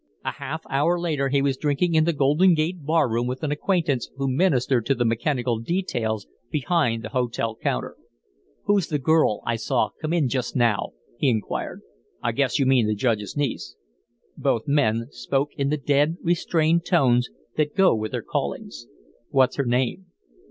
A half hour later he was drinking in the Golden Gate bar room with an acquaintance who ministered to the mechanical details behind the hotel counter. "Who's the girl I saw come in just now?" he inquired. "I guess you mean the Judge's niece." Both men spoke in the dead, restrained tones that go with their callings. "What's her name?"